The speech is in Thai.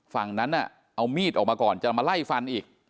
ฝั่งนั้นเอามีดออกมาก่อนจะมาไล่ฟันอีก